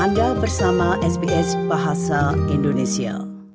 anda bersama sbs bahasa indonesia